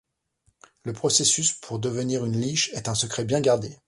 Le processus pour devenir une liche est un secret bien gardé.